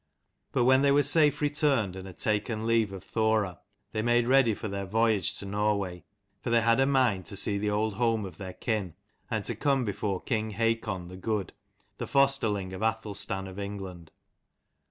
But when they were safe returned and had taken leave of Thora, they made ready for their voyage to Norway : for they had a mind to see the old home of their kin, and to come before king Hakon the good, the fosterling of Athelstan of England.